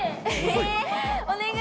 えお願い。